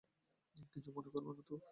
কিছু মনে করবানা তো।